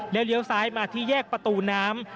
เลี้ยวซ้ายมาที่แยกประตูน้ำ